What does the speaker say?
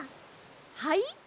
はい？